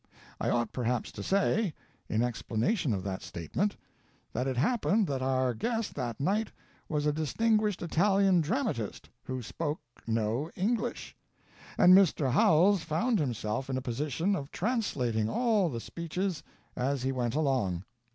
I ought perhaps to say, in explanation of that statement, that it happened that our guest that night was a distinguished Italian dramatist, who spoke no English, and Mr. Howells found himself i na position of translating all the speches as he went along.